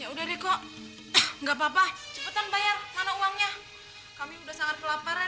ya udah deh kok nggak papa cepetan bayar mana uangnya kami udah sangat kelaparan